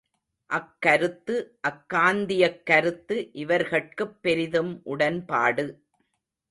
அக்கருத்து அக்காந்தியக் கருத்து இவர்கட்குப் பெரிதும் உடன்பாடு.